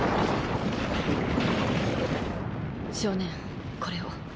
少年これを。